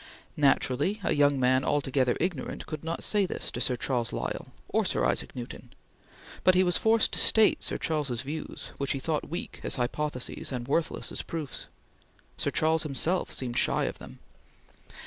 Naturally a young man, altogether ignorant, could not say this to Sir Charles Lyell or Sir Isaac Newton; but he was forced to state Sir Charles's views, which he thought weak as hypotheses and worthless as proofs. Sir Charles himself seemed shy of them.